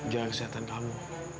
jangan kesehatan kamu